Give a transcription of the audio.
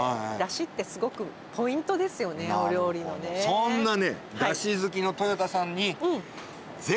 そんなね。